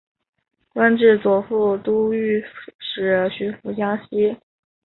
官至左副都御史巡抚江西。